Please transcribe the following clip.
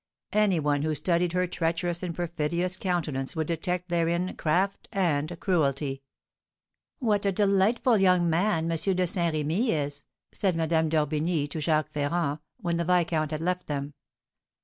Any one who studied her treacherous and perfidious countenance would detect therein craft and cruelty. "What a delightful young man M. de Saint Remy is!" said Madame d'Orbigny to Jacques Ferrand, when the viscount had left them.